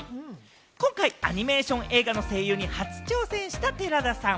今回アニメーション映画の声優に初挑戦した寺田さん。